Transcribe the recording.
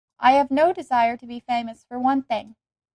I have no desire to be famous, for one thing.